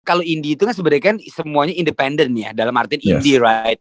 kalau indie itu sebenarnya semuanya independen ya dalam arti indie right